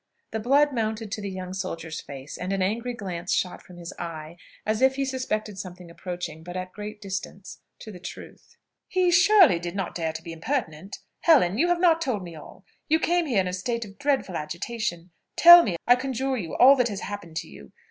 The blood mounted to the young soldier's face, and an angry glance shot from his eye, as if he suspected something approaching but at great distance to the truth. "He surely did not dare to be impertinent? Helen, you have not told me all: you came here in a state of dreadful agitation; tell me, I conjure you, all that has happened to you.